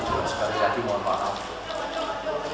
sekali lagi mohon maaf